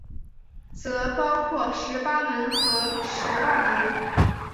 则包括十八门和十二门。